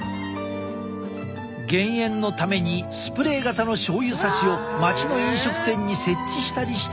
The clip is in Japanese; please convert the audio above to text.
減塩のためにスプレー型の醤油さしを町の飲食店に設置したりしてきた。